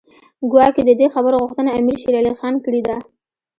ګواکې د دې خبرو غوښتنه امیر شېر علي خان کړې ده.